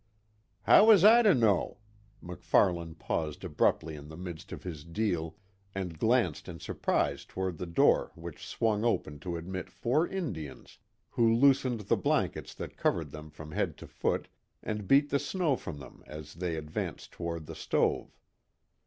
"How was I to know?" MacFarlane paused abruptly in the midst of his deal and glanced in surprise toward the door which swung open to admit four Indians who loosened the blankets that covered them from head to foot and beat the snow from them as they advanced toward the stove.